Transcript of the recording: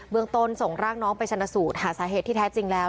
เมืองต้นส่งร่างน้องไปชนสูตรหาสาเหตุที่แท้จริงแล้ว